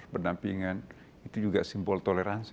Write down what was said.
pendampingan itu juga simbol toleransi